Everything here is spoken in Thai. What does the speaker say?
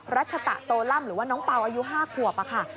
รัชตะโตล่ำหรือว่าน้องเปล่าอายุ๕ขวบค่ะ